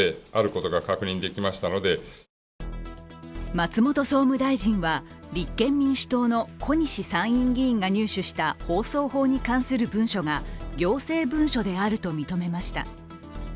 松本総務大臣は立憲民主党の小西参院議員が提出した放送法に関する文書が行政文書であると認めました。